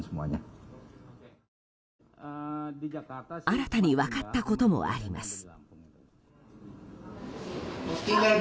新たに分かったこともあります。